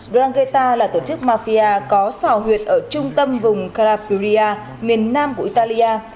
drangheta là tổ chức mafia có xào huyệt ở trung tâm vùng carapuria miền nam của italia